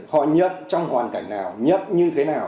họ nhận trong hoàn cảnh nào nhận như thế nào